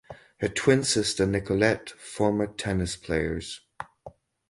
Her twin sister Nicolette former tennis players.